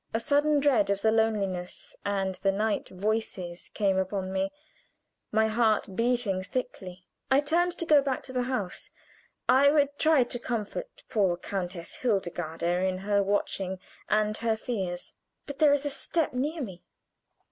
A sudden dread of the loneliness and the night voices came upon me; my heart beating thickly, I turned to go back to the house. I would try to comfort poor Countess Hildegarde in her watching and her fears. But there is a step near me.